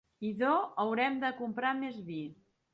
Idò haurem de comprar més vi.